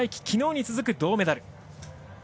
昨日に続く銅メダル。